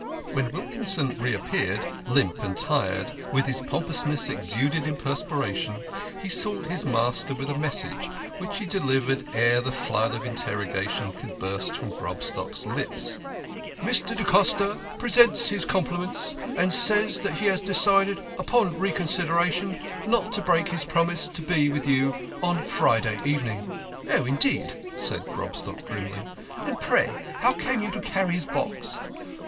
When Wilkinson reappeared, limp and tired, with his pompousness exuded in perspiration, he sought his master with a message, which he delivered ere the flood of interro gation could burst from Grobstock's lips. " Mr. da Costa presents his compliments, and says that he has decided on reconsideration not to break his promise to be with you on Friday evening." " Oh, indeed !" said Grobstock grimly. " And, pray, how came you to carry his box